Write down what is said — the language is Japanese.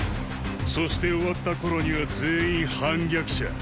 そして終わった頃には全員反逆者。